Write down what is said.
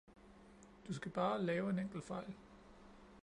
Du skal bare lave en enkelt fejl.